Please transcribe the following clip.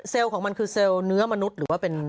ของมันคือเซลล์เนื้อมนุษย์หรือว่าเป็น